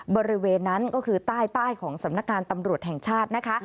บริเวณนั้นก็คือใต้ป้ายของสำนักงานตำรวจแห่งชาตินะคะ